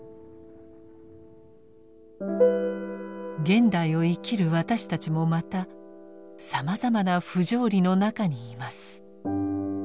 現代を生きる私たちもまたさまざまな不条理の中にいます。